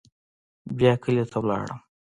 بيا کلي ته ولاړم.